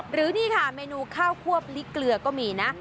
หรือนี่ค่ะเมนูข้าวควบลิกเกลือก็มีนะ